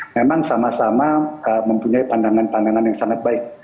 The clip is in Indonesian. memang sama sama mempunyai pandangan pandangan yang sangat baik